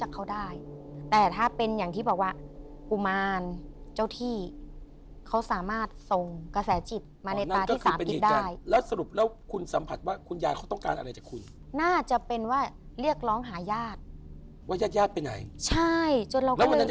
หายาดว่ายาดยาดไปไหนใช่จนเราก็เลยแล้ววันนั้นยาดยาดเขาไปไหนกัน